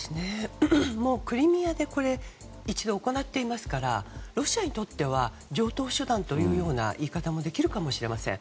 クリミアで一度、行っていますからロシアにとっては常套手段という言い方もできるかもしれません。